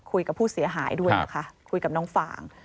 คุยกับผู้เสียหายด้วยนะคะคุยกับน้องฟาง